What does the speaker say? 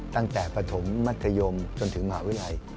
ตั้งแต่ปฐมมัธยมจนถึงหม่าวิรัย